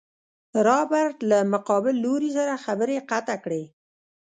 رابرټ له مقابل لوري سره خبرې قطع کړې.